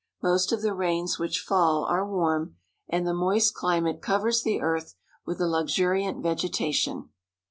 Most of the rains which fall are warm, and the moist climate covers the earth with a luxuriant vegetation.